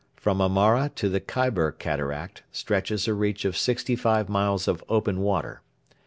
From Amara to the Kaibar Cataract stretches a reach of sixty five miles of open water.